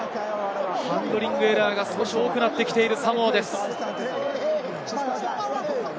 ハンドリングエラーが少し多くなってきているサモアです。